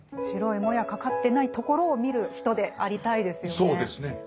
白いもやかかってないところを見る人でありたいですよね。